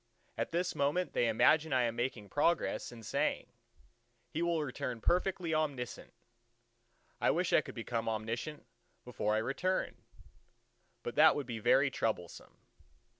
at this moment they imagine I am making progress and saying, He will return perfectly omniscient! I wish I could become omniscient before I return; but that would be very troublesome.